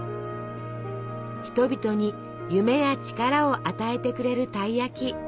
人々に夢や力を与えてくれるたい焼き。